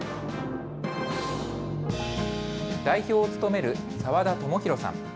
代表を務める澤田智洋さん。